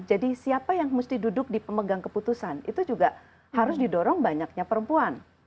siapa yang mesti duduk di pemegang keputusan itu juga harus didorong banyaknya perempuan